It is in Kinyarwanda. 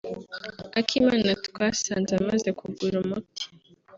Akimana twasanze amaze kugura umuti